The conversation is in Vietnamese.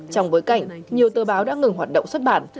trong bối cảnh nhiều tờ báo đã ngừng hoạt động xuất bản